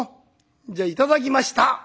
じゃあ頂きました」。